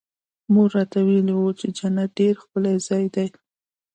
مور راته ويلي وو چې جنت ډېر ښکلى ځاى دى.